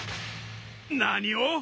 何を！？